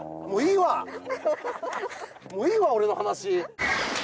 もういいわ俺の話！